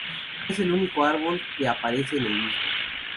Es el único árbol que aparece en el mismo.